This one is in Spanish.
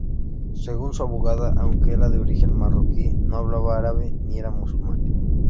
Según su abogada, aunque era de origen marroquí, no hablaba árabe ni era musulmán.